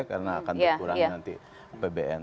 karena akan dikurangi nanti pbn